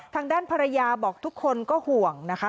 ทางด้านภรรยาบอกทุกคนก็ห่วงนะคะ